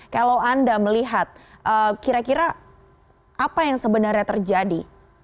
kalau anda melihat kira kira apa yang sebenarnya terjadi